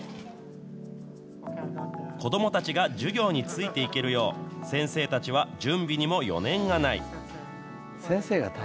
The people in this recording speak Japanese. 子どもたちが授業についていけるよう、先生たちは準備にも余念がない。